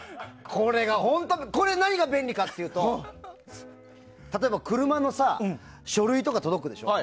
これ、何が便利かというと例えば車の書類とか届くでしょ。